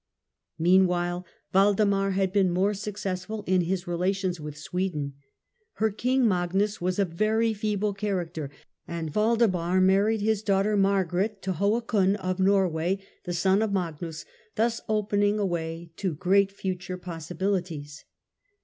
Meanwhile Waldemar had been more successful in his relations with Sweden. Her King Magnus was a very feeble character, and Waldemar married his daughter Margaret to Hakon of Norway, the son of Magnus, thus opening a way to great future possibilities.